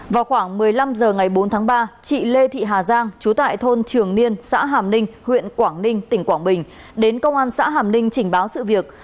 vào khoảng một mươi năm h ngày bốn tháng ba chị lê thị hà giang chú tại thôn trường niên xã hàm ninh huyện quảng ninh tỉnh quảng bình đến công an xã hàm ninh trình báo sự việc